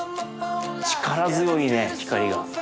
力強いね光が。